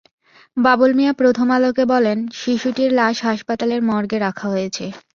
বাবুল মিয়া প্রথম আলোকে বলেন, শিশুটির লাশ হাসপাতালের মর্গে রাখা হয়েছে।